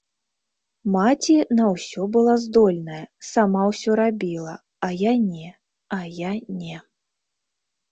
Маці на ўсё была здольная, сама ўсё рабіла, а я не, а я не.